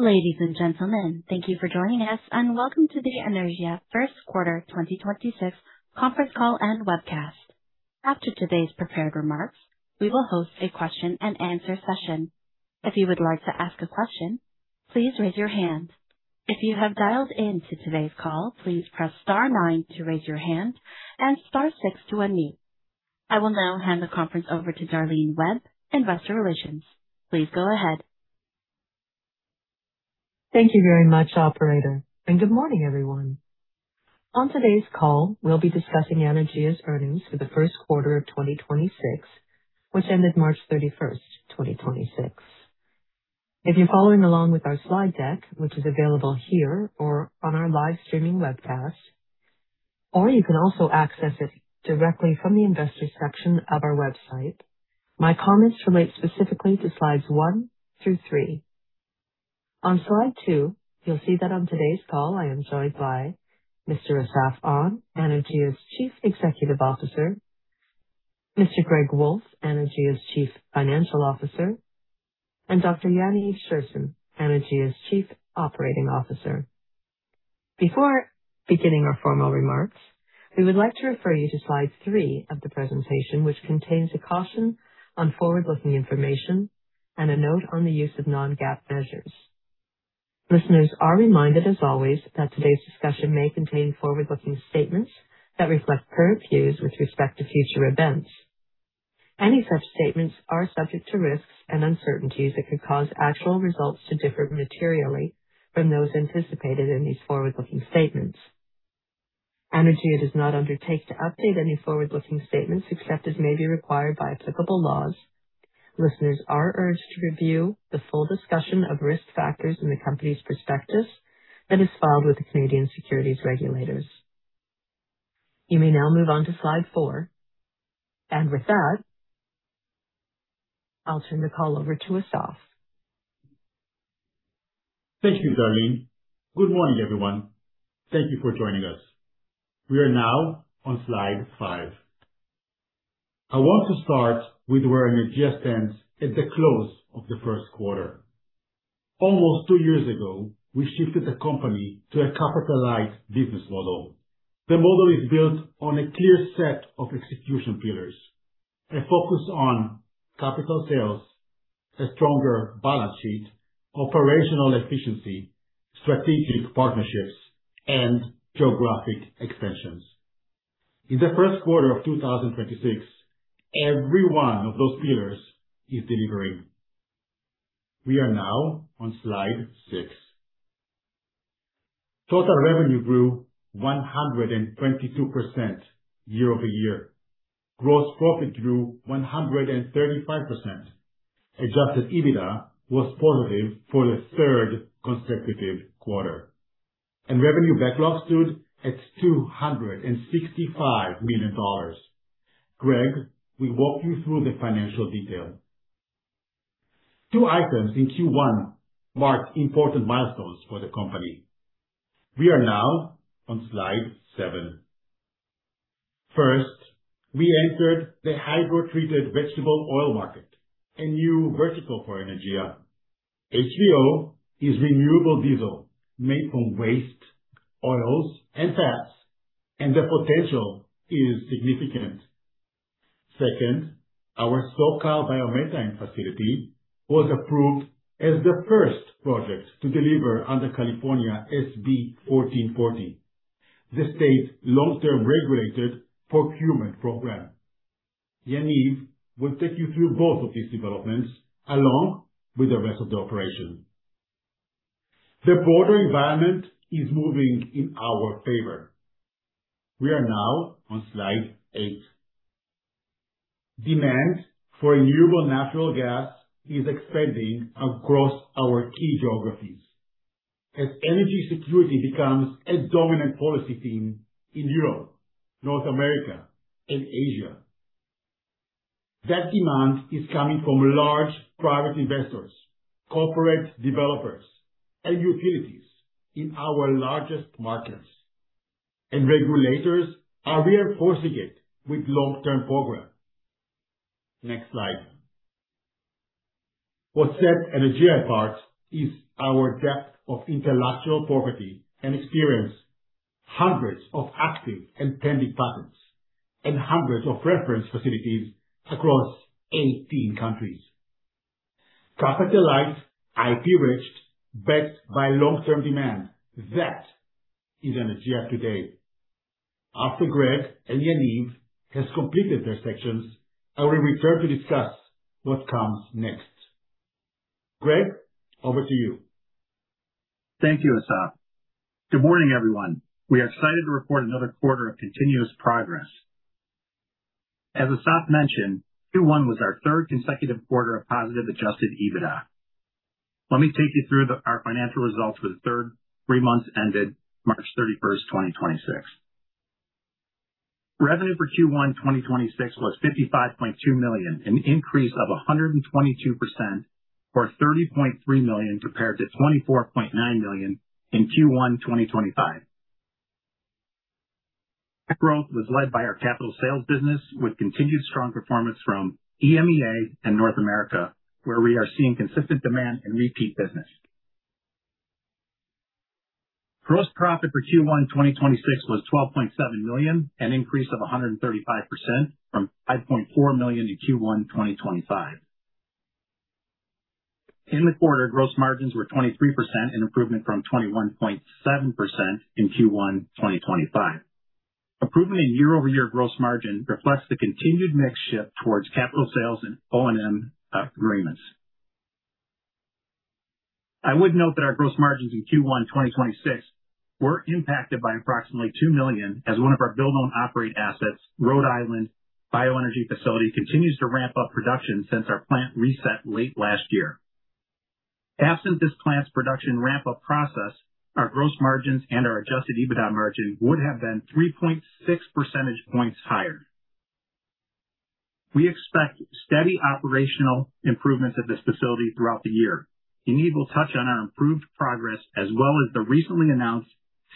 Ladies and gentlemen, thank you for joining us, and welcome to the Anaergia first quarter 2026 conference call and webcast. After today's prepared remarks, we will host a question and answer session. If you would like to ask a question, please raise your hand. If you have dialed in to today's call, please press star nine to raise your hand and star six to unmute. I will now hand the conference over to Darlene Webb, Investor Relations. Please go ahead. Thank you very much, operator, good morning, everyone. On today's call, we'll be discussing Anaergia's earnings for the first quarter of 2026, which ended March 31st, 2026. If you're following along with our slide deck, which is available here or on our live streaming webcast, or you can also access it directly from the investor section of our website. My comments relate specifically to slides one through three. On slide two, you'll see that on today's call I am joined by Mr. Assaf Onn, Anaergia's Chief Executive Officer, Mr. Greg Wolf, Anaergia's Chief Financial Officer, and Dr. Yaniv Scherson, Anaergia's Chief Operating Officer. Before beginning our formal remarks, we would like to refer you to slide three of the presentation, which contains a caution on forward-looking information and a note on the use of non-GAAP measures. Listeners are reminded, as always, that today's discussion may contain forward-looking statements that reflect current views with respect to future events. Any such statements are subject to risks and uncertainties that could cause actual results to differ materially from those anticipated in these forward-looking statements. Anaergia does not undertake to update any forward-looking statements except as may be required by applicable laws. Listeners are urged to review the full discussion of risk factors in the company's prospectus that is filed with the Canadian securities regulators. You may now move on to slide four. With that, I'll turn the call over to Assaf. Thank you, Darlene. Good morning, everyone. Thank you for joining us. We are now on slide five. I want to start with where Anaergia stands at the close of the first quarter. Almost two years ago, we shifted the company to a capital-light business model. The model is built on a clear set of execution pillars, a focus on capital sales, a stronger balance sheet, operational efficiency, strategic partnerships, and geographic expansions. In the first quarter of 2026, every one of those pillars is delivering. We are now on slide six. Total revenue grew 122% year-over-year. Gross profit grew 135%. Adjusted EBITDA was positive for the third consecutive quarter, and revenue backlog stood at 265 million dollars. Greg walk you through the financial detail. Two items in Q1 marked important milestones for the company. We are now on slide seven. First, we entered the hydrotreated vegetable oil market, a new vertical for Anaergia. HVO is renewable diesel made from waste oils and fats, and the potential is significant. Second, our SoCal Biomethane facility was approved as the first project to deliver under California SB 1440, the state's long-term regulated procurement program. Yaniv will take you through both of these developments, along with the rest of the operation. The broader environment is moving in our favor. We are now on slide eight. Demand for renewable natural gas is expanding across our key geographies as energy security becomes a dominant policy theme in Europe, North America, and Asia. That demand is coming from large private investors, corporate developers, and utilities in our largest markets, and regulators are reinforcing it with long-term programs. Next slide. What sets Anaergia apart is our depth of intellectual property and experience. Hundreds of active and pending patents and hundreds of reference facilities across 18 countries. Capital light, IP-rich, backed by long-term demand. That is Anaergia today. After Greg and Yaniv has completed their sections, I will return to discuss what comes next. Greg, over to you. Thank you, Assaf. Good morning, everyone. We are excited to report another quarter of continuous progress. As Assaf mentioned, Q1 was our third consecutive quarter of positive adjusted EBITDA. Let me take you through our financial results for the three months ended March 31st, 2026. Revenue for Q1 2026 was 55.2 million, an increase of 122% or 30.3 million compared to 24.9 million in Q1 2025. Growth was led by our capital sales business with continued strong performance from EMEA and North America, where we are seeing consistent demand and repeat business. Gross profit for Q1 2026 was 12.7 million, an increase of 135% from 5.4 million in Q1 2025. In the quarter, gross margins were 23%, an improvement from 21.7% in Q1 2025. Improvement in year-over-year gross margin reflects the continued mix shift towards capital sales and O&M agreements. I would note that our gross margins in Q1 2026 were impacted by approximately 2 million as one of our build own operate assets, Rhode Island Bioenergy Facility, continues to ramp up production since our plant reset late last year. Absent this plant's production ramp-up process, our gross margins and our adjusted EBITDA margin would have been 3.6 percentage points higher. We expect steady operational improvements at this facility throughout the year. Yaniv will touch on our improved progress as well as the recently announced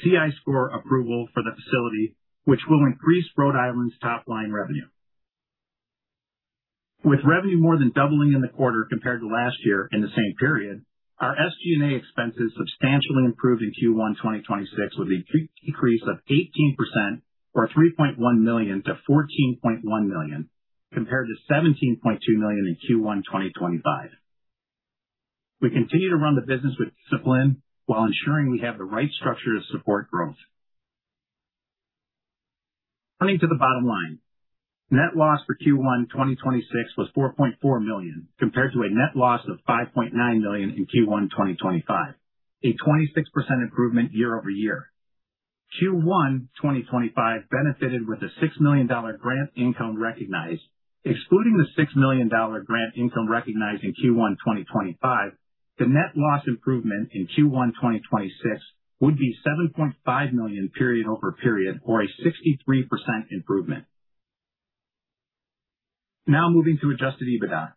CI score approval for the facility, which will increase Rhode Island's top-line revenue. With revenue more than doubling in the quarter compared to last year in the same period, our SG&A expenses substantially improved in Q1 2026 with a decrease of 18% or 3.1 million-14.1 million, compared to 17.2 million in Q1 2025. We continue to run the business with discipline while ensuring we have the right structure to support growth. Coming to the bottom line. Net loss for Q1 2026 was 4.4 million, compared to a net loss of 5.9 million in Q1 2025, a 26% improvement year-over-year. Q1 2025 benefited with a 6 million dollar grant income recognized. Excluding the 6 million dollar grant income recognized in Q1 2025, the net loss improvement in Q1 2026 would be 7.5 million period-over-period or a 63% improvement. Moving to adjusted EBITDA.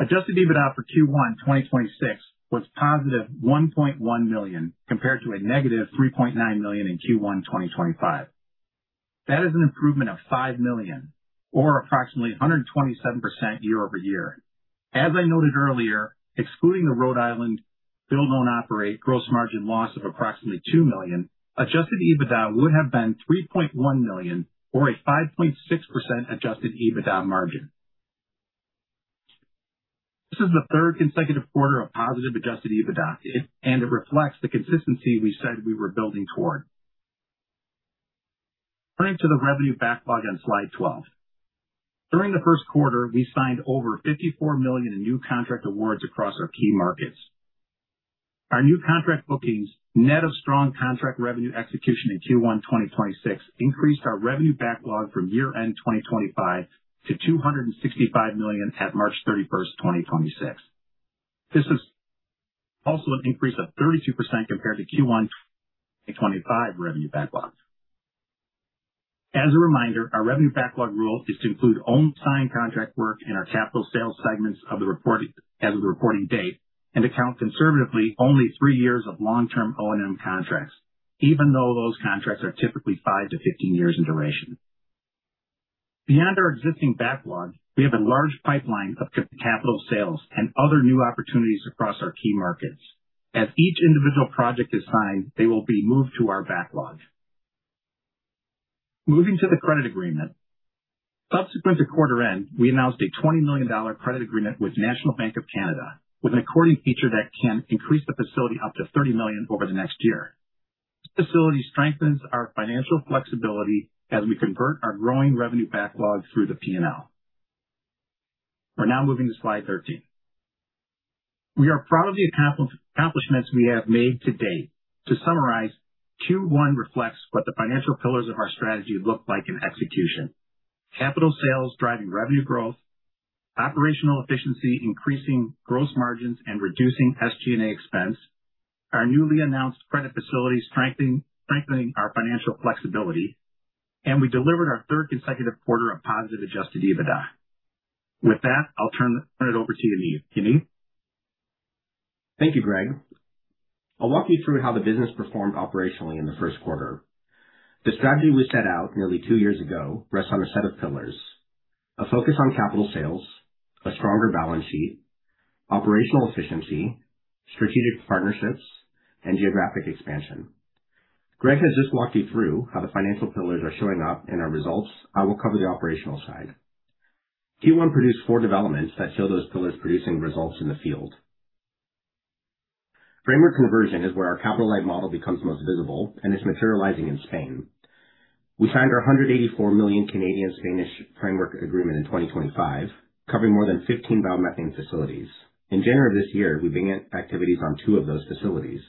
Adjusted EBITDA for Q1 2026 was positive 1.1 million compared to a negative 3.9 million in Q1 2025. That is an improvement of 5 million or approximately 127% year-over-year. As I noted earlier, excluding the Rhode Island BOO gross margin loss of approximately 2 million, adjusted EBITDA would have been 3.1 million or a 5.6% adjusted EBITDA margin. This is the third consecutive quarter of positive adjusted EBITDA, and it reflects the consistency we said we were building toward. Turning to the revenue backlog on slide 12. During the first quarter, we signed over 54 million in new contract awards across our key markets. Our new contract bookings, net of strong contract revenue execution in Q1 2026, increased our revenue backlog from year-end 2025 to 265 million at March 31st, 2026. This is also an increase of 32% compared to Q1 2025 revenue backlog. As a reminder, our revenue backlog rule is to include own signed contract work in our capital sales segments as of the reporting date and account conservatively only three years of long-term O&M contracts, even though those contracts are typically five to 15-years in duration. Beyond our existing backlog, we have a large pipeline of capital sales and other new opportunities across our key markets. As each individual project is signed, they will be moved to our backlog. Moving to the credit agreement. Subsequent to quarter end, we announced a 20 million dollar credit agreement with National Bank of Canada with an according feature that can increase the facility up to 30 million over the next year. This facility strengthens our financial flexibility as we convert our growing revenue backlog through the P&L. We're now moving to slide 13. We are proud of the accomplishments we have made to date. To summarize, Q1 reflects what the financial pillars of our strategy look like in execution. Capital sales driving revenue growth, operational efficiency increasing gross margins and reducing SG&A expense, our newly announced credit facility strengthening our financial flexibility. We delivered our third consecutive quarter of positive adjusted EBITDA. With that, I'll turn it over to Yaniv. Yaniv? Thank you, Greg. I'll walk you through how the business performed operationally in the first quarter. The strategy we set out nearly two years ago rests on a set of pillars: a focus on capital sales, a stronger balance sheet, operational efficiency, strategic partnerships, and geographic expansion. Greg has just walked you through how the financial pillars are showing up in our results. I will cover the operational side. Q1 produced four developments that show those pillars producing results in the field. Framework conversion is where our capital-light model becomes most visible and is materializing in Spain. We signed our 184 million Spanish framework agreement in 2025, covering more than 15 biomethane facilities. In January of this year, we began activities on two of those facilities.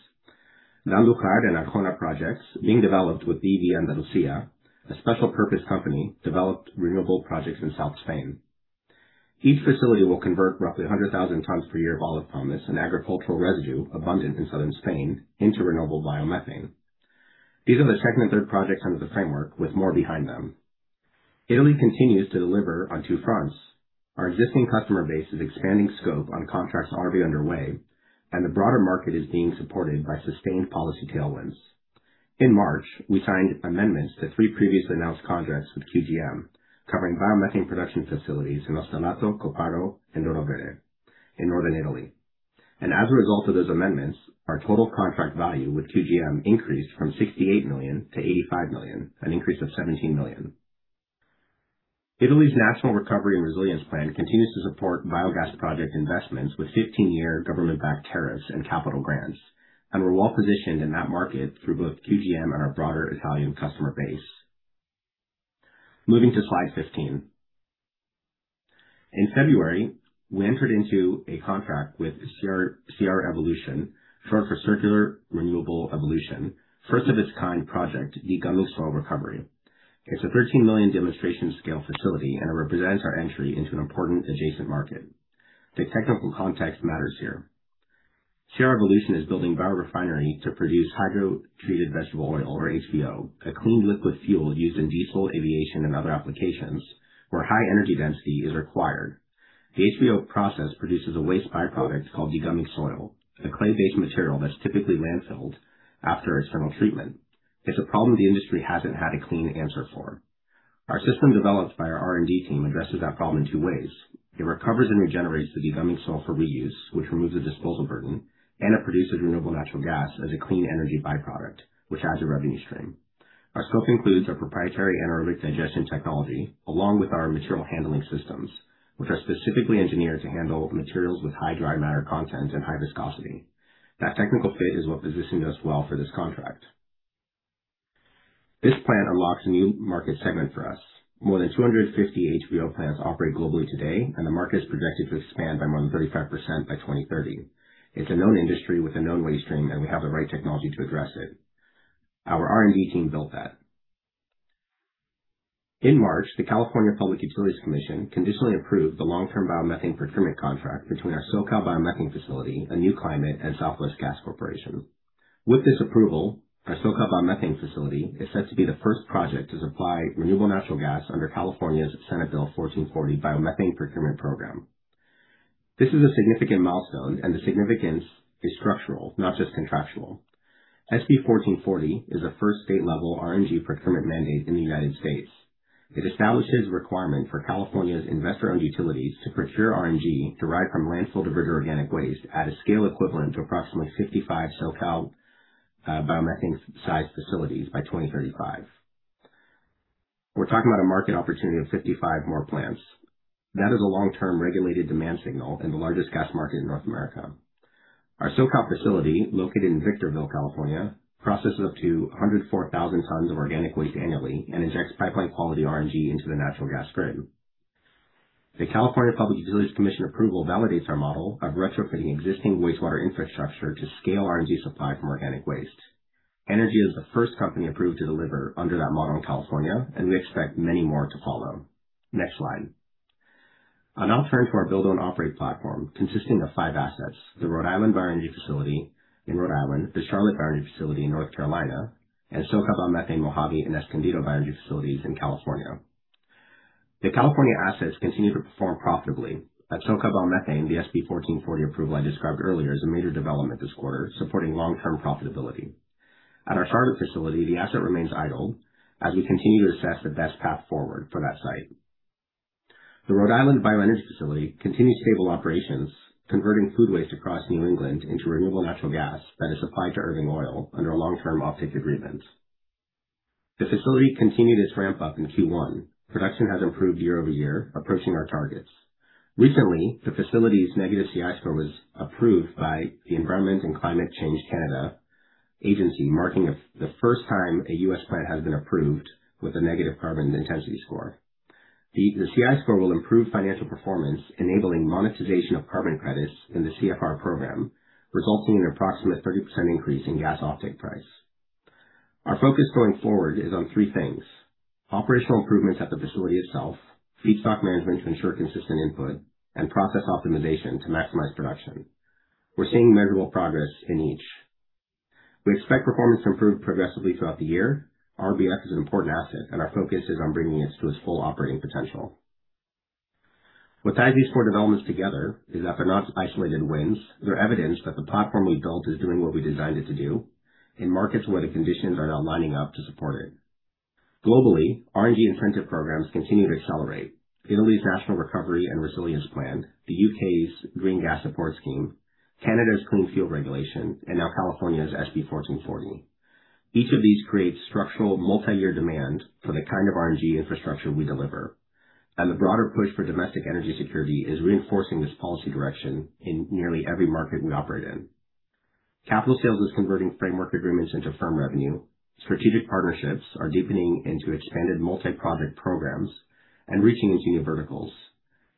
Andújar and Arjona projects being developed with EDN Andalusia, a special purpose company, developed renewable projects in Southern Spain. Each facility will convert roughly 100,000 tons per year of olive pomace, an agricultural residue abundant in Southern Spain, into renewable biomethane. These are the second and third projects under the framework with more behind them. Italy continues to deliver on two fronts. Our existing customer base is expanding scope on contracts already underway. The broader market is being supported by sustained policy tailwinds. In March, we signed amendments to three previously announced contracts with QGM covering biomethane production facilities in Ostellato, Copparo, and Derovere in Northern Italy. As a result of those amendments, our total contract value with QGM increased from 68 million to 85 million, an increase of 17 million. Italy's National Recovery and Resilience Plan continues to support biogas project investments with 15-year government backed tariffs and capital grants. We're well-positioned in that market through both QGM and our broader Italian customer base. Moving to slide 15. In February, we entered into a contract with CR Evolution, short for Circular Renewable Evolution, first of its kind project, Degumming Soil Recovery. It's a 13 million demonstration scale facility. It represents our entry into an important adjacent market. The technical context matters here. CR Evolution is building biorefinery to produce hydrotreated vegetable oil or HVO, a clean liquid fuel used in diesel, aviation and other applications where high energy density is required. The HVO process produces a waste byproduct called degumming soil, a clay-based material that's typically landfilled after external treatment. It's a problem the industry hasn't had a clean answer for. Our system, developed by our R&D team, addresses that problem in two ways. It recovers and regenerates the Degumming Soil for reuse, which removes the disposal burden, and it produces renewable natural gas as a clean energy byproduct, which has a revenue stream. Our scope includes our proprietary anaerobic digestion technology, along with our material handling systems, which are specifically engineered to handle materials with high dry matter content and high viscosity. That technical fit is what positioned us well for this contract. This plant unlocks a new market segment for us. More than 250 HVO plants operate globally today, and the market is projected to expand by more than 35% by 2030. It's a known industry with a known waste stream, and we have the right technology to address it. Our R&D team built that. In March, the California Public Utilities Commission conditionally approved the long-term biomethane procurement contract between our SoCal Biomethane facility, Anew Climate, and Southwest Gas Corporation. With this approval, our SoCal Biomethane facility is set to be the first project to supply renewable natural gas under California's Senate Bill 1440 biomethane procurement program. This is a significant milestone, and the significance is structural, not just contractual. SB 1440 is the first state level RNG procurement mandate in the United States. It establishes requirement for California's investor-owned utilities to procure RNG derived from landfill diversion organic waste at a scale equivalent to approximately 55 SoCal biomethane sized facilities by 2035. We're talking about a market opportunity of 55 more plants. That is a long-term regulated demand signal in the largest gas market in North America. Our SoCal facility, located in Victorville, California, processes up to 104,000 tons of organic waste annually and injects pipeline quality RNG into the natural gas grid. The California Public Utilities Commission approval validates our model of retrofitting existing wastewater infrastructure to scale RNG supply from organic waste. Anaergia is the first company approved to deliver under that model in California, and we expect many more to follow. Next slide. I'll now turn to our Build-Own-Operate platform consisting of five assets: the Rhode Island Bioenergy Facility in Rhode Island, the Charlotte Bioenergy Facility in North Carolina, and SoCal Biomethane Mojave and Escondido Bioenergy facilities in California. The California assets continue to perform profitably. At SoCal Biomethane, the SB 1440 approval I described earlier is a major development this quarter, supporting long-term profitability. At our Charlotte facility, the asset remains idle as we continue to assess the best path forward for that site. The Rhode Island Bioenergy Facility continues stable operations, converting food waste across New England into renewable natural gas that is supplied to Irving Oil under a long-term offtake agreement. The facility continued its ramp up in Q1. Production has improved year-over-year, approaching our targets. Recently, the facility's negative CI score was approved by the Environment and Climate Change Canada agency, marking the first time a U.S. plant has been approved with a negative carbon intensity score. The CI score will improve financial performance, enabling monetization of carbon credits in the CFR program, resulting in an approximate 30% increase in gas offtake price. Our focus going forward is on three things: operational improvements at the facility itself, feedstock management to ensure consistent input, and process optimization to maximize production. We're seeing measurable progress in each. We expect performance to improve progressively throughout the year. RBF is an important asset and our focus is on bringing it to its full operating potential. What ties these four developments together is that they're not isolated wins. They're evidence that the platform we built is doing what we designed it to do in markets where the conditions are now lining up to support it. Globally, RNG and incentive programs continue to accelerate. Italy's National Recovery and Resilience Plan, the U.K.'s Green Gas Support Scheme, Canada's Clean Fuel Regulation, and now California's SB 1440. Each of these creates structural multi-year demand for the kind of RNG infrastructure we deliver. The broader push for domestic energy security is reinforcing this policy direction in nearly every market we operate in. Capital Sales is converting framework agreements into firm revenue. Strategic partnerships are deepening into expanded multi-project programs and reaching into new verticals.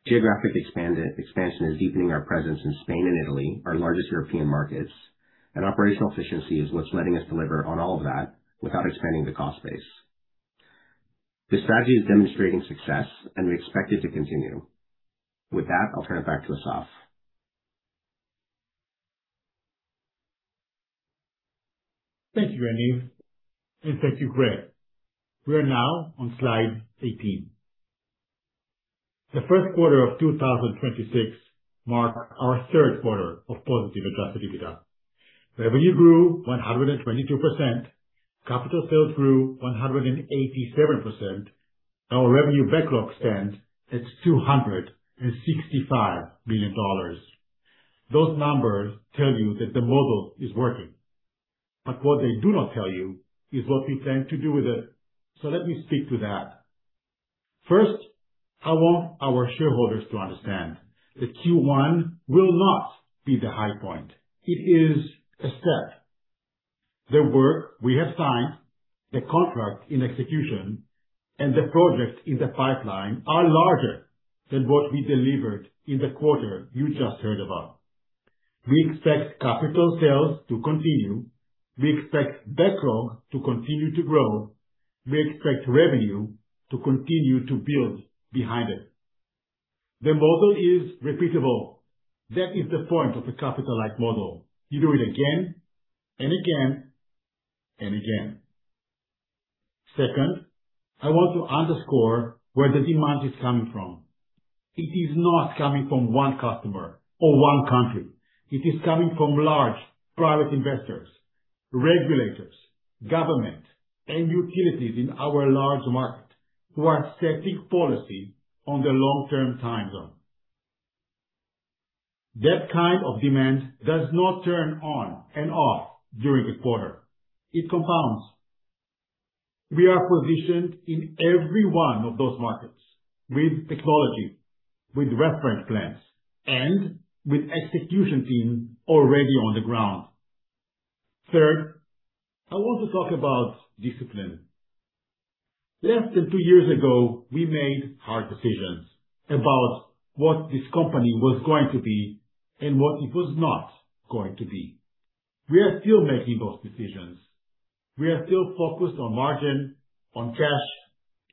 Geographic expansion is deepening our presence in Spain and Italy, our largest European markets. Operational efficiency is what's letting us deliver on all of that without expanding the cost base. This strategy is demonstrating success, and we expect it to continue. With that, I'll turn it back to Assaf. Thank you, Yaniv, and thank you, Greg. We are now on slide 18. The first quarter of 2026 marked our third quarter of positive adjusted EBITDA. Revenue grew 122%. Capital sales grew 187%. Our revenue backlog stands at 265 million dollars. Those numbers tell you that the model is working, but what they do not tell you is what we plan to do with it. Let me speak to that. First, I want our shareholders to understand that Q1 will not be the high point. It is a step. The work we have signed, the contract in execution, and the projects in the pipeline are larger than what we delivered in the quarter you just heard about. We expect capital sales to continue. We expect backlog to continue to grow. We expect revenue to continue to build behind it. The model is repeatable. That is the point of the capital light model. You do it again and again and again. Second, I want to underscore where the demand is coming from. It is not coming from one customer or one country. It is coming from large private investors, regulators, government, and utilities in our large market who are setting policy on the long-term time zone. That kind of demand does not turn on and off during a quarter. It compounds. We are positioned in every one of those markets with technology, with reference plans, and with execution team already on the ground. Third, I want to talk about discipline. Less than two years ago, we made hard decisions about what this company was going to be and what it was not going to be. We are still making those decisions. We are still focused on margin, on cash,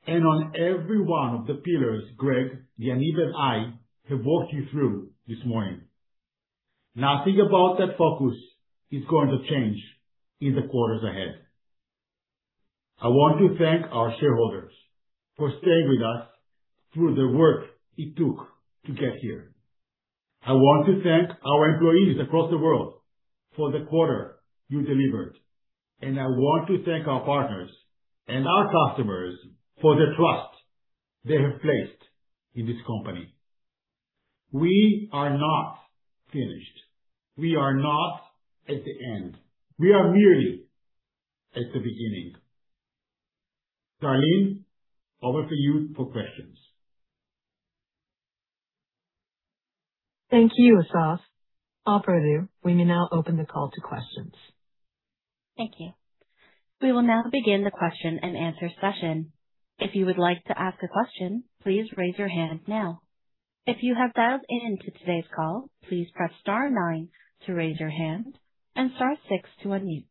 and on every one of the pillars Greg, Yaniv, and I have walked you through this morning. Nothing about that focus is going to change in the quarters ahead. I want to thank our shareholders for staying with us through the work it took to get here. I want to thank our employees across the world for the quarter you delivered, and I want to thank our partners and our customers for the trust they have placed in this company. We are not finished. We are not at the end. We are merely at the beginning. Darlene, over to you for questions. Thank you, Assaf. Operator, we may now open the call to questions. Thank you. We will now begin the question-and-answer session. If you would like to ask a question, please raise your hand now. If you have dialed in to today's call, please press star nine to raise your hand and star six to unmute.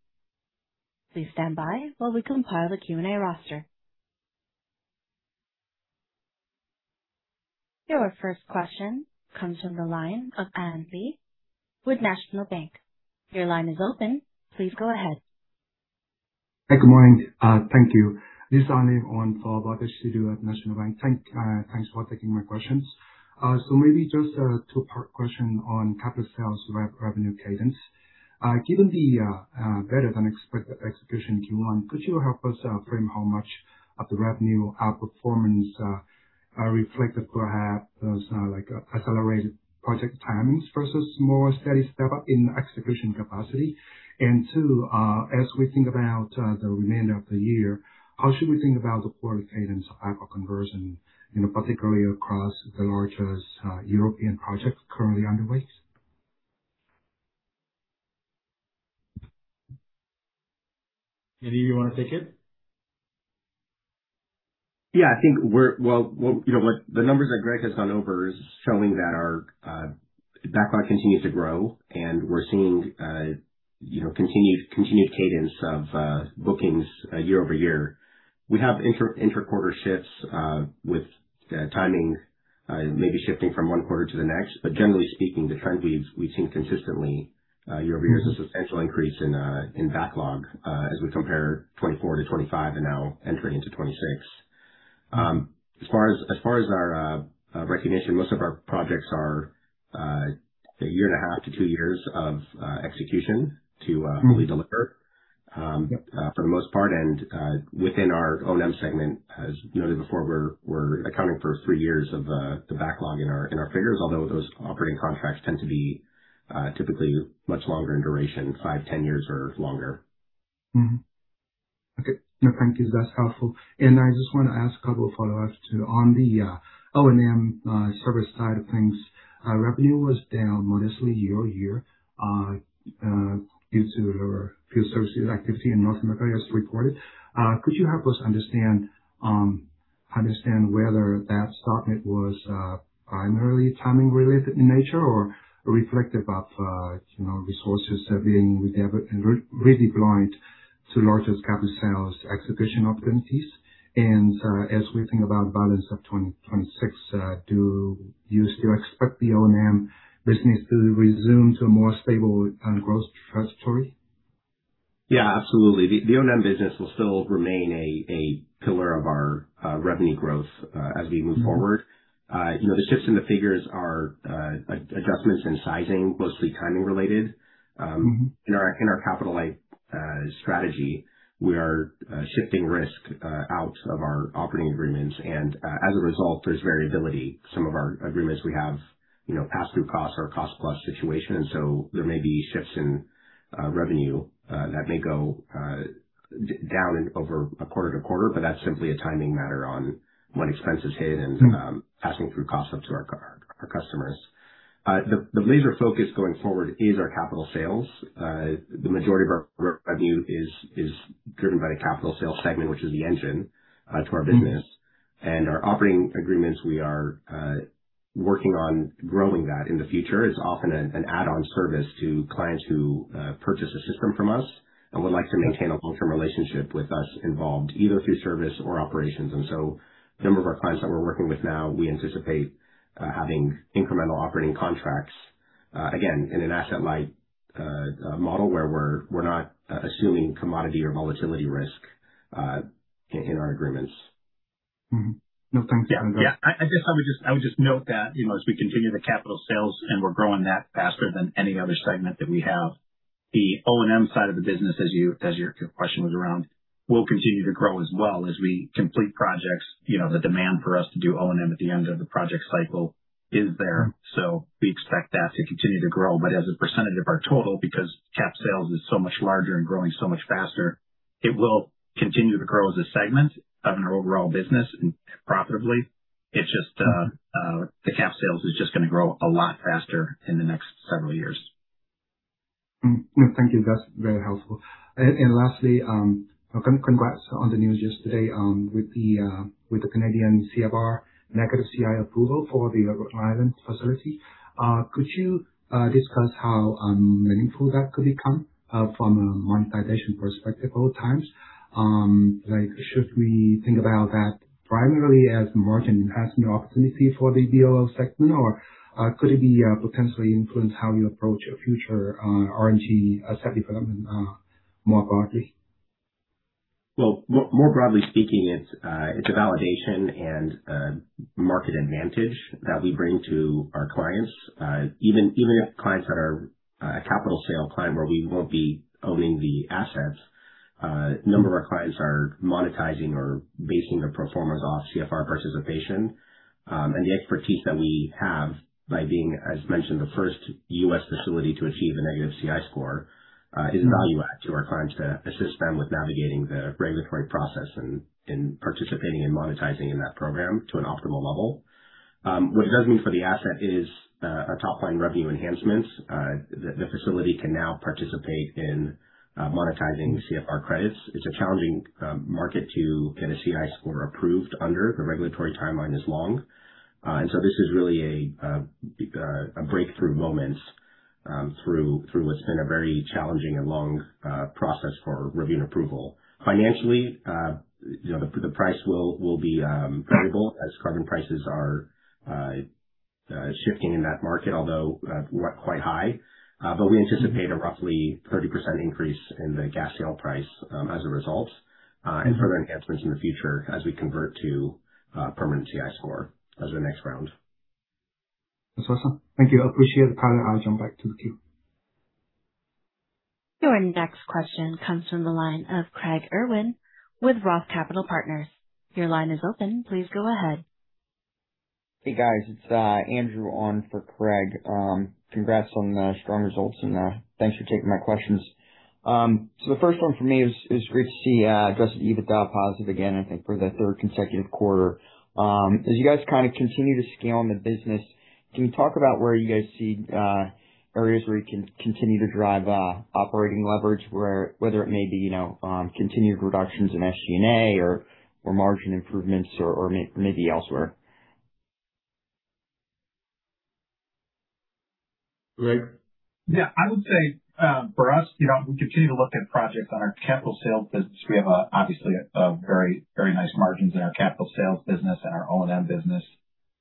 Your first question comes from the line of Anvi with National Bank. Your line is open. Please go ahead. Hey, good morning. Thank you. This is Anvi on for Baltej Sidhu at National Bank. Thanks for taking my questions. Maybe just two-part question on capital sales revenue cadence. Given the better-than-expected execution in Q1, could you help us frame how much of the revenue outperformance reflected perhaps accelerated project timing versus a more steady step-up in execution capacity? And two, as we think about the remainder of the year, how should we think about the quarterly cadence of backlog conversion, particularly across the largest European projects currently underway? Yaniv you wanna take it? Yeah. I think the numbers that Greg has gone over the show that our backlog continues to grow, and we're seeing a continued cadence of bookings year-over-year. We have inter-quarter shifts, with timing maybe shifting from one quarter to the next, but generally speaking, the trend we've seen consistently year-over-year is a steady increase in backlog as we compare 2024 to 2025 and now entering 2026. As far, as execution, most of our projects require roughly a year and a half or two years of execution to fully deliver, for the most part. And in our O&M segment, as we've noted before, we're going in the first three years of the backlog with our figures, although those operating contracts tend to be much longer in duration, typically five to ten years or longer. Okay. No, thank you. That's helpful. I just want to ask a couple of follow-ups too. On the O&M service side of things, revenue was down modestly year-over-year due to lower field associated activity in North America, as reported. Could you help us understand whether that softness was primarily timing related in nature or reflective of, you know, resources being redeployed to larger capital sales execution opportunities? As we think about balance of 2026, do you still expect the O&M business to resume to a more stable and growth trajectory? Yeah, absolutely. The O&M business will still remain a pillar of our revenue growth as we move forward. You know, the shifts in the figures are like adjustments in sizing, mostly timing related. In our capital light strategy, we are shifting risk out of our operating agreements. As a result, there's variability. Some of our agreements we have, you know, pass through costs or cost plus situation. There may be shifts in revenue that may go down over a quarter to quarter, but that's simply a timing matter on when expenses hit and passing through costs up to our customers. The laser focus going forward is our capital sales. The majority of our revenue is driven by the capital sales segment, which is the engine to our business. Our operating agreements, we are working on growing that in the future. It's often an add-on service to clients who purchase a system from us and would like to maintain a long-term relationship with us involved either through service or operations. A number of our clients that we're working with now, we anticipate having incremental operating contracts again, in an asset-light model where we're not assuming commodity or volatility risk in our agreements. Mm-hmm. No, thank you. Yeah. I would just note that, you know, as we continue the capital sales, and we're growing that faster than any other segment that we have, the O&M side of the business, as your question was around, will continue to grow as well as we complete projects. You know, the demand for us to do O&M at the end of the project cycle is there. We expect that to continue to grow. As a percentage of our total, because cap sales is so much larger and growing so much faster, it will continue to grow as a segment of our overall business and profitably. It's just, the cap sales is just gonna grow a lot faster in the next several years. No. Thank you. That's very helpful. Lastly, congrats on the news yesterday with the Canadian CFR negative CI approval for the Rhode Island facility. Could you discuss how meaningful that could become from a monetization perspective over time? Like should we think about that primarily as margin enhancement opportunity for the BOO segment, or could it be potentially influence how you approach a future RNG asset development more broadly? More broadly speaking, it's a validation and a market advantage that we bring to our clients. Even, even if clients that are a capital sale client where we won't be owning the assets, a number of our clients are monetizing or basing their performance off CFR participation. And the expertise that we have by being, as mentioned, the first U.S. facility to achieve a negative CI score, is value add to our clients to assist them with navigating the regulatory process and participating and monetizing in that program to an optimal level. What it does mean for the asset is our top line revenue enhancements. The facility can now participate in monetizing CFR credits. It's a challenging market to get a CI score approved under. The regulatory timeline is long. This is really a breakthrough moment through what's been a very challenging and long process for revenue approval. Financially, you know, the price will be variable as carbon prices are shifting in that market, although quite high. We anticipate a roughly 30% increase in the gas sale price as a result, and further enhancements in the future as we convert to a permanent CI score as our next round. That's awesome. Thank you. I appreciate the color. I'll jump back to the queue. Your next question comes from the line of Craig Irwin with Roth Capital Partners. Your line is open. Please go ahead. Hey, guys. It's Andrew on for Craig. Congrats on the strong results, and thanks for taking my questions. The first one for me is great to see adjusted EBITDA positive again, I think for the third consecutive quarter. As you guys kind of continue to scale in the business, can you talk about where you guys see areas where you can continue to drive operating leverage, whether it may be, you know, continued reductions in SG&A or margin improvements or maybe elsewhere? Greg? I would say, for us, you know, we continue to look at projects on our capital sales business. We have obviously very nice margins in our capital sales business and our O&M business.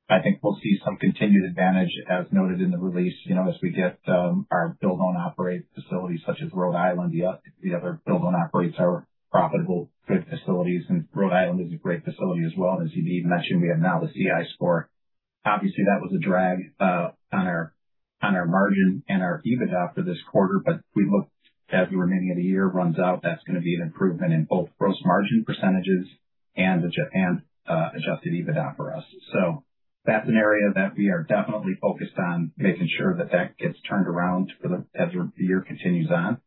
I think we'll see some continued advantage as noted in the release, you know, as we get our build own operate facilities such as Rhode Island. The other build own operates are profitable good facilities, and Rhode Island is a great facility as well. As you've even mentioned, we have now the CI score. Obviously, that was a drag on our margin and our EBITDA for this quarter. We look as the remaining of the year runs out, that's gonna be an improvement in both gross margin percentages and adjusted EBITDA for us. That's an area that we are definitely focused on, making sure that that gets turned around as the year continues on.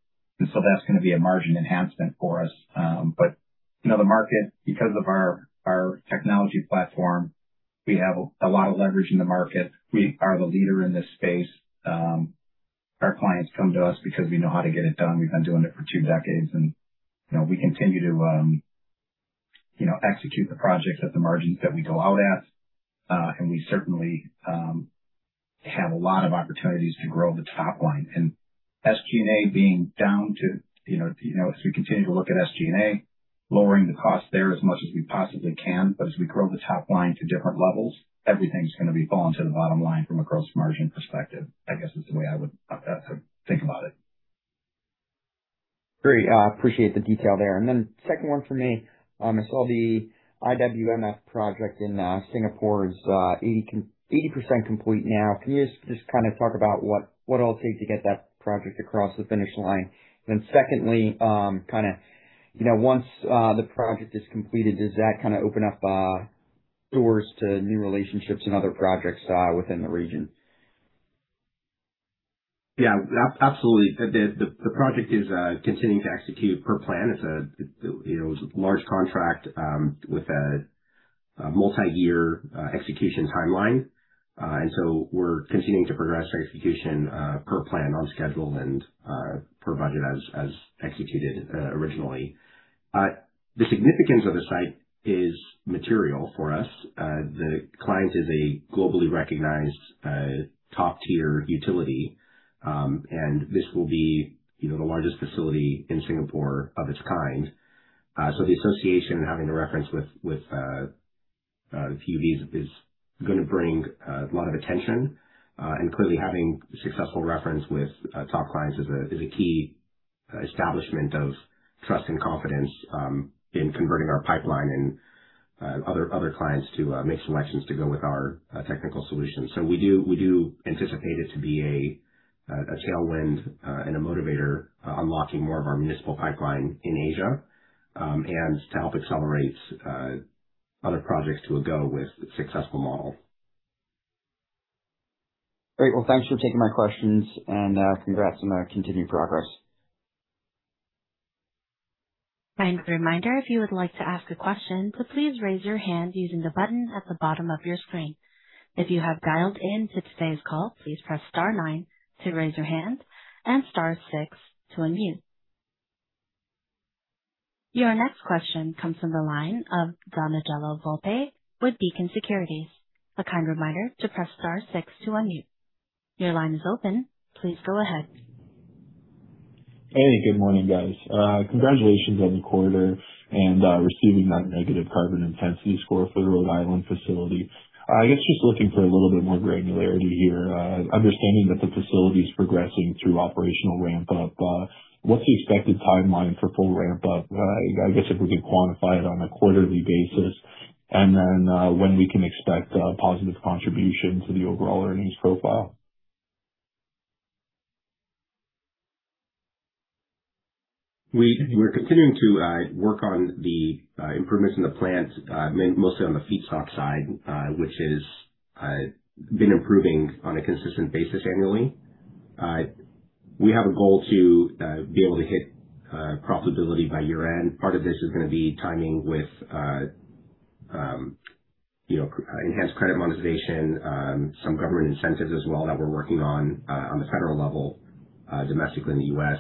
That's going to be a margin enhancement for us. You know, the market, because of our technology platform, we have a lot of leverage in the market. We are the leader in this space. Our clients come to us because we know how to get it done. We've been doing it for two decades. You know, we continue to, you know, execute the projects at the margins that we go out at. We certainly have a lot of opportunities to grow the top line. SG&A being down to, you know, as we continue to look at SG&A, lowering the cost there as much as we possibly can. As we grow the top line to different levels, everything's going to be falling to the bottom line from a gross margin perspective, I guess is the way I would think about it. Great. Appreciate the detail there. Second one for me. I saw the IWMF project in Singapore is 80% complete now. Can you just kind of talk about what it'll take to get that project across the finish line? Secondly, you know, once the project is completed, does that kind of open up doors to new relationships and other projects within the region? Yeah, absolutely. The project is continuing to execute per plan. It's a, you know, large contract with a multi-year execution timeline. We're continuing to progress our execution per plan on schedule and per budget as executed originally. The significance of the site is material for us. The client is a globally recognized top-tier utility. This will be, you know, the largest facility in Singapore of its kind. The association and having a reference with the PUB is going to bring a lot of attention. Clearly having successful reference with top clients is a key establishment of trust and confidence in converting our pipeline and other clients to make selections to go with our technical solutions. We do anticipate it to be a tailwind and a motivator unlocking more of our municipal pipeline in Asia, and to help accelerate other projects to a go with successful model. Great. Well, thanks for taking my questions and congrats on the continued progress. A kind reminder if you would like to ask a question, to please raise your hand using the button at the bottom of your screen. If you have dialed in to today's call, please press star nine to raise your hand and star six to unmute. Your next question comes from the line of Donangelo Volpe with Beacon Securities. A kind reminder to press star six to unmute. Your line is open. Please go ahead. Hey, good morning, guys. Congratulations on the quarter and receiving that negative carbon intensity score for the Rhode Island facility. I guess just looking for a little bit more granularity here, understanding that the facility is progressing through operational ramp up. What's the expected timeline for full ramp up? I guess if we could quantify it on a quarterly basis and then, when we can expect a positive contribution to the overall earnings profile? We're continuing to work on the improvements in the plant, mostly on the feedstock side, which is been improving on a consistent basis annually. We have a goal to be able to hit profitability by year-end. Part of this is going to be timing with, you know, enhanced credit monetization, some government incentives as well that we're working on on the federal level, domestically in the U.S.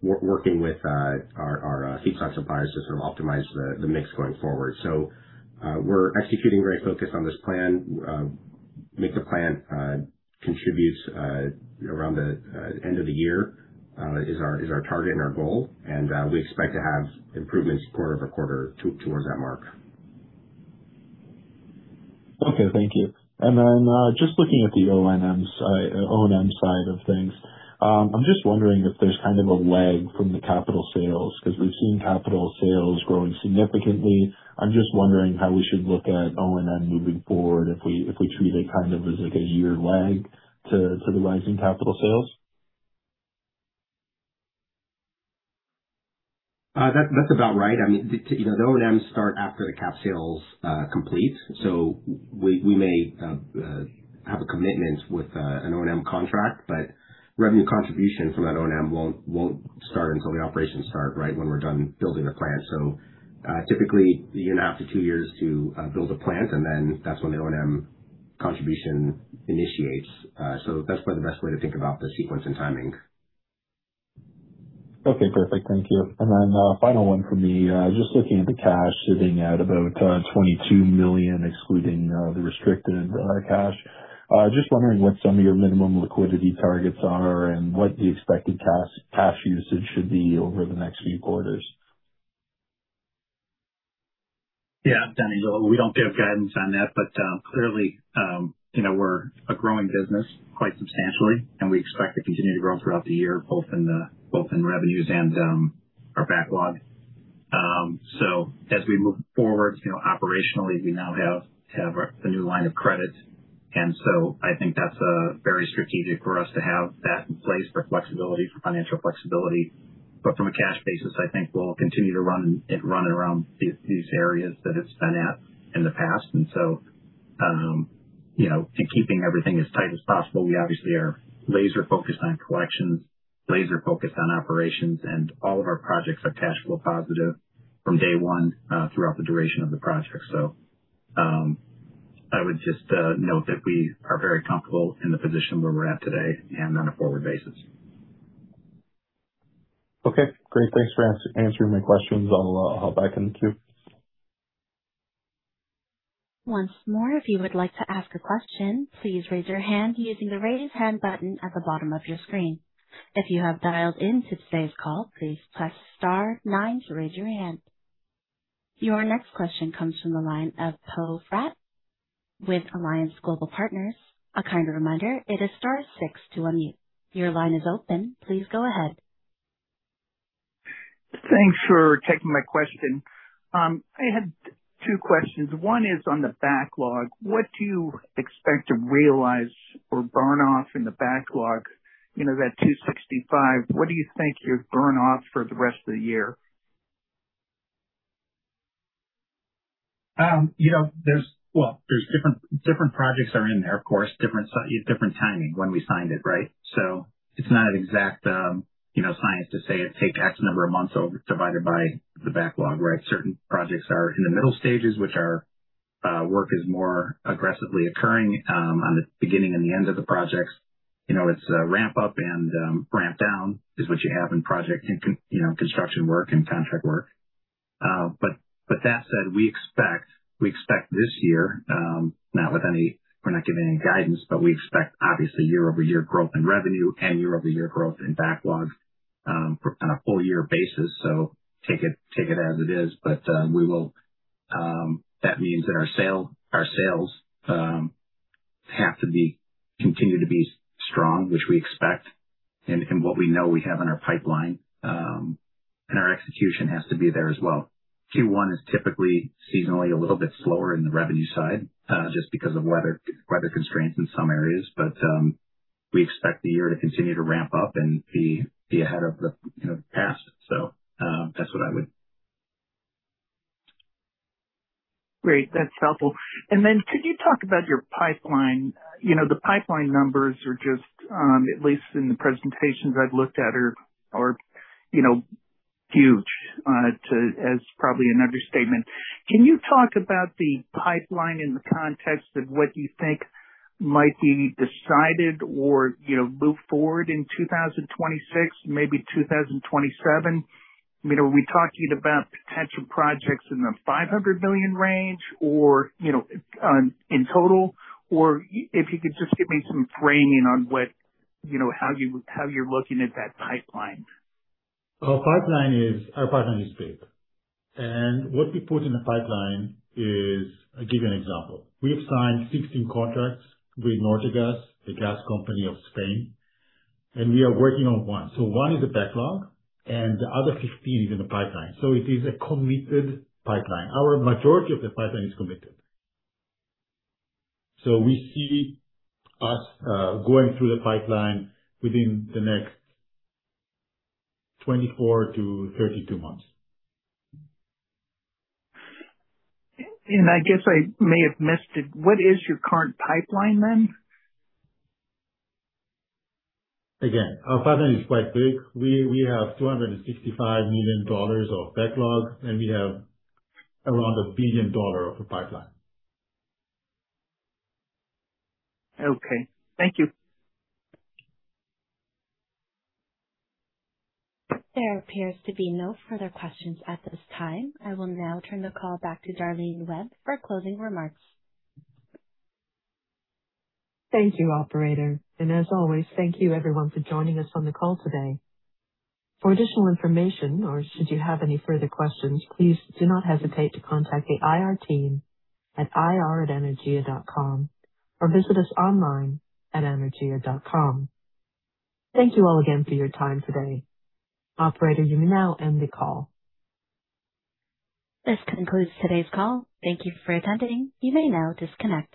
Working with our feedstock suppliers to sort of optimize the mix going forward. We're executing very focused on this plan. Make the plant contributes around the end of the year is our target and our goal. We expect to have improvements quarter-over-quarter towards that mark. Okay. Thank you. Just looking at the O&M side of things. I'm just wondering if there's kind of a lag from the capital sales because we've seen capital sales growing significantly. I'm just wondering how we should look at O&M moving forward if we treat it kind of as like a year lag to the rise in capital sales. That, that's about right. I mean, you know, the O&M start after the cap sales complete. We may have a commitment with an O&M contract, but revenue contribution from that O&M won't start until the operations start, right, when we're done building the plant. Typically a year and a half to two years to build a plant, and then that's when the O&M contribution initiates. That's probably the best way to think about the sequence and timing. Okay. Perfect. Thank you. Then, final one for me. Just looking at the cash sitting at about 22 million, excluding the restricted cash, just wondering what some of your minimum liquidity targets are and what the expected cash usage should be over the next few quarters. Yeah. Donangelo, we don't give guidance on that. Clearly, you know, we're a growing business quite substantially, and we expect to continue to grow throughout the year, both in revenues and our backlog. As we move forward, you know, operationally, we now have a new line of credit. I think that's very strategic for us to have that in place for flexibility, for financial flexibility. From a cash basis, I think we'll continue to run it around these areas that it's been at in the past. Keeping everything as tight as possible. We obviously are laser focused on collections, laser focused on operations, and all of our projects are cash flow positive from day one throughout the duration of the project. I would just note that we are very comfortable in the position where we're at today and on a forward basis. Okay, great. Thanks for answering my questions. I'll hop back in the queue. Once more if you would like to ask a question, please raise your hand using the raise hand button at the bottom of your screen. If you have dialed in to today's call, please press star nine to raise your hand. Your next question comes from the line of Poe Fratt with Alliance Global Partners. A kind reminder, it is star six to unmute. Thanks for taking my question. I had two questions. One is on the backlog. What do you expect to realize or burn off in the backlog? You know, that 265. What do you think you'll burn off for the rest of the year? You know, well, there's different projects are in there, of course, different timing when we signed it, right? It's not an exact, you know, science to say it take X number of months over divided by the backlog, right? Certain projects are in the middle stages, which are, work is more aggressively occurring on the beginning and the end of the projects. You know, it's a ramp up and ramp down is what you have in project and, you know, construction work and contract work. That said, we expect this year, we're not giving any guidance, but we expect obviously year-over-year growth in revenue and year-over-year growth in backlog on a full year basis. Take it as it is. We will that means that our sales have to continue to be strong, which we expect and what we know we have in our pipeline, and our execution has to be there as well. Q1 is typically seasonally a little bit slower in the revenue side, just because of weather constraints in some areas. We expect the year to continue to ramp up and be ahead of the, you know, past. Great. That's helpful. Could you talk about your pipeline? You know, the pipeline numbers are just, at least in the presentations I've looked at are, you know, huge, to as probably an understatement. Can you talk about the pipeline in the context of what you think might be decided or, you know, move forward in 2026, maybe 2027? You know, are we talking about potential projects in the 500 billion range or, you know, in total? If you could just give me some framing on what, you know, how you, how you're looking at that pipeline? Our pipeline is big. What we put in the pipeline is I'll give you an example. We have signed 16 contracts with Naturgy Gas, the gas company of Spain, and we are working on one. One is a backlog and the other 15 is in the pipeline. It is a committed pipeline. Our majority of the pipeline is committed. We see us going through the pipeline within the next 24-32 months. I guess I may have missed it. What is your current pipeline then? Again, our pipeline is quite big. We have 265 million dollars of backlog, and we have around 1 billion dollar of pipeline. Okay. Thank you. There appears to be no further questions at this time. I will now turn the call back to Darlene Webb for closing remarks. Thank you, operator. As always, thank you everyone for joining us on the call today. For additional information or should you have any further questions, please do not hesitate to contact the IR team at ir@anaergia.com or visit us online at anaergia.com. Thank you all again for your time today. Operator, you may now end the call. This concludes today's call. Thank you for attending. You may now disconnect.